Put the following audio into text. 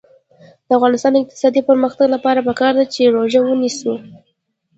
د افغانستان د اقتصادي پرمختګ لپاره پکار ده چې روژه ونیسو.